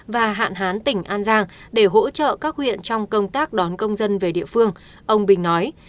và hạn hán tỉnh an giang để hỗ trợ các huyện trong công tác đón công dân về địa phương ông bình nói